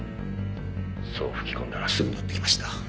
そう吹き込んだらすぐのってきました。